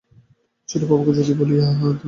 ছোট বাবুকে যদি বলিয়া দেয়!